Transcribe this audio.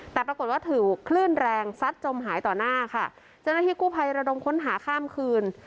แต่ปรากฏว่าถูกคลื่นแรงซัดจมหายต่อหน้าค่ะเจ้าหน้าที่กู้ภัยระดมค้นหาข้ามคืน